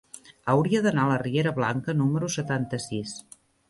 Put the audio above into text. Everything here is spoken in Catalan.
Hauria d'anar a la riera Blanca número setanta-sis.